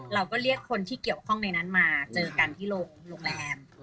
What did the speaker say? เราก็เรียกคนที่เกี่ยวข้องในนั้นมาเจอกันที่โรงแรม